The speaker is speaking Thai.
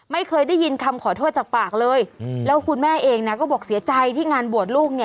ไม่เคยได้ยินคำขอโทษจากปากเลยแล้วคุณแม่เองนะก็บอกเสียใจที่งานบวชลูกเนี่ย